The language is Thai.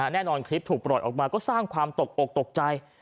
แน่นอนคลิปถูกปลอดออกมาก็สร้างความตกออกตกใจ